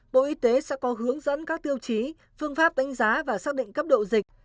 bộ y tế sẽ có hướng dẫn các tiêu chí phương pháp đánh giá và xác định cấp độ dịch